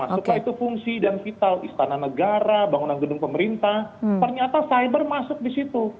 nah setelah itu fungsi dan vital istana negara bangunan gedung pemerintah ternyata cyber masuk di situ